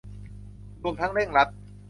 รวมทั้งเร่งรัด